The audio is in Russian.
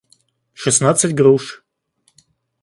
шестнадцать груш